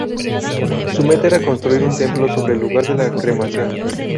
Su meta era construir un templo sobre el lugar de la cremación.